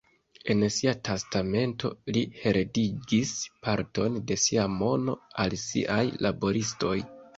En sia testamento li heredigis parton de sia mono al siaj laboristoj.